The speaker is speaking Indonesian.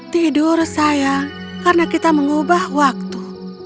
tidur sayang karena kita mengubah waktu